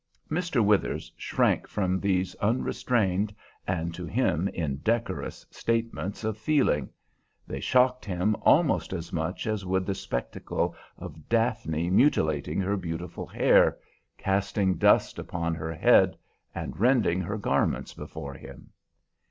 Mr. Withers shrank from these unrestrained and to him indecorous statements of feeling; they shocked him almost as much as would the spectacle of Daphne mutilating her beautiful hair, casting dust upon her head, and rending her garments before him.